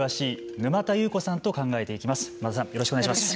沼田さん、よろしくお願いします。